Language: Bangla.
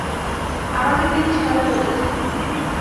আমাকে তিনি সেভাবেই বলেছেন।